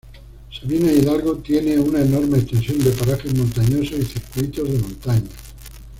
Sabinas Hidalgo tiene con una enorme extensión de parajes montañosos y circuitos de montaña.